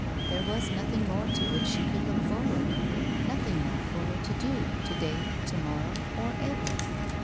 There was nothing more to which she could look forward, nothing more for her to do, to day, to morrow, or ever.